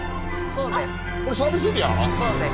そうです。